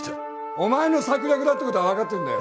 お前の策略だって事はわかってんだよ。